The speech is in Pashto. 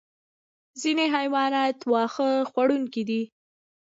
ځینې حیوانات واښه خوړونکي دي